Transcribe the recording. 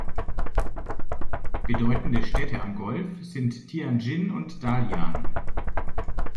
Bedeutende Städte am Golf sind Tianjin und Dalian.